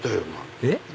えっ？